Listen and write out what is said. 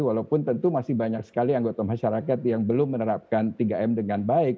walaupun tentu masih banyak sekali anggota masyarakat yang belum menerapkan tiga m dengan baik